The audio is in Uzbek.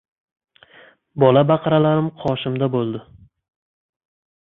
Bola-baqralarim qoshimda bo‘ldi.